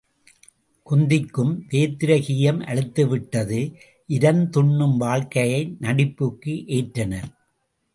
குந்திக்கு வேத்திரகீயம் அலுத்துவிட்டது இரந் துண்ணும் வாழ்க்கையை நடிப்புக்கு ஏற்றனர்.